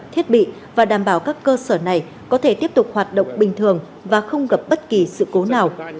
thiết bị và đảm bảo các cơ sở này có thể tiếp tục hoạt động bình thường và không gặp bất kỳ sự cố nào